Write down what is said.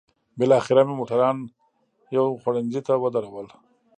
بالاخره مو موټران یو خوړنځای ته ودرول.